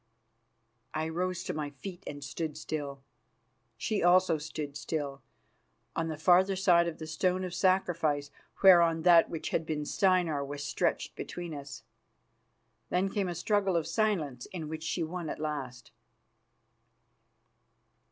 I rose to my feet and stood still. She also stood still, on the farther side of the stone of sacrifice whereon that which had been Steinar was stretched between us. Then came a struggle of silence, in which she won at last.